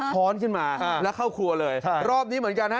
้อนขึ้นมาแล้วเข้าครัวเลยรอบนี้เหมือนกันฮะ